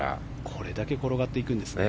これだけ転がっていくんですね。